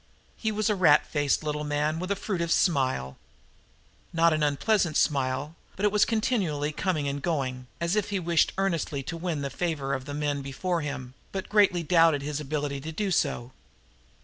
He was a ratfaced little man, with a furtive smile. Not an unpleasant smile, but it was continually coming and going, as if he wished earnestly to win the favor of the men before him, but greatly doubted his ability to do so.